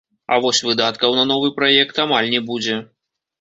А вось выдаткаў на новы праект амаль не будзе.